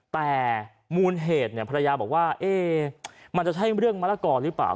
แต่มูลเหตุเนี่ยภรรยาบอกว่ามันจะใช่เรื่องมะละกอหรือเปล่า